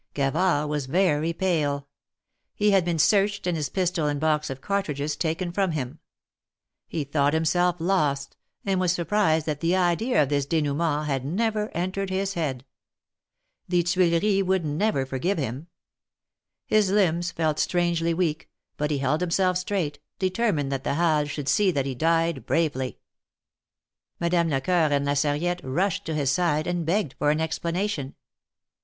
Gavard was very pale. He had been searched and his pistol and box of cartridges taken from him. He thought himself lost, and was surprised that the idea of this de nouement had never entered his head. The Tuileries would never forgive him. His limbs felt strangely weak, but he held himself straight, determined that the Halles should see that he died bravely. Madame Lecoeur and La Sarriette rushed to his side, and begged for an explanation.